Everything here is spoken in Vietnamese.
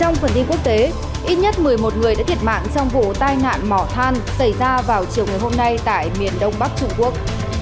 một người đã thiệt mạng trong vụ tai nạn mỏ than xảy ra vào chiều ngày hôm nay tại miền đông bắc trung quốc